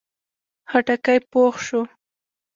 خټکی پوخ شو.